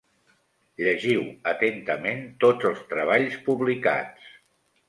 Llegiu atentament tots els treballs publicats.